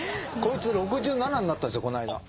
こいつ６７になったんですよ。